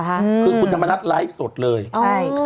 แล้วเขาก็เลยออกมาชื่อคุณธรรมนัฐโผล่ขึ้นมาติดอยู่ตรงนี้ด้วย